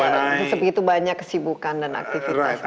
dalam segitu banyak kesibukan dan aktivitas